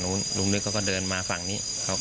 โป่งแร่ตำบลพฤศจิตภัณฑ์